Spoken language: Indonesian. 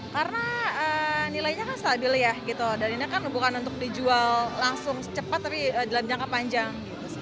karena nilainya kan stabil ya dan ini kan bukan untuk dijual langsung cepat tapi dalam jangka panjang